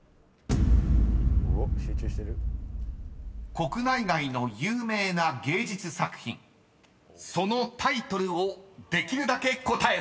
［国内外の有名な芸術作品そのタイトルをできるだけ答えろ］